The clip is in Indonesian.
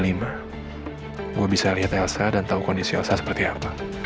gue bisa lihat elsa dan tahu kondisi elsa seperti apa